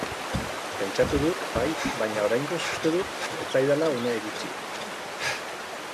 Pentsatu dut, bai, baina oraingoz uste dut ez zaidala unea iritsi.